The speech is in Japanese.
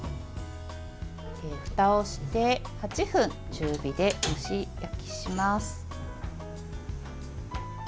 ふたをして８分中火で蒸し焼きします。